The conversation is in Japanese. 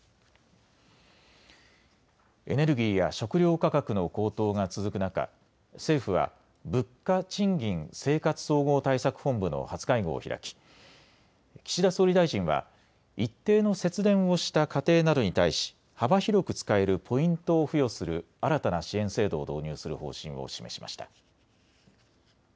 エネルギーや食料価格の高騰が続く中、政府は物価・賃金・生活総合対策本部の初会合を開き岸田総理大臣は一定の節電をした家庭などに対し幅広く使えるポイントを付与する新たな支援制度を導入する方針を示しました。